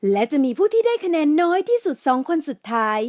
และจะมีผู้ที่ได้คะแนนน้อยที่สุด๒คนสุดท้าย